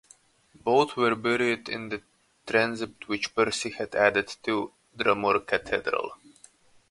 Both were buried in the transept which Percy had added to Dromore Cathedral.